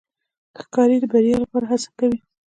ښکاري د بریا لپاره هڅه کوي.